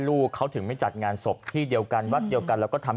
ลูกเขาถึงไม่จัดงานศพที่เดียวกันวัดเดียวกันแล้วก็ทำ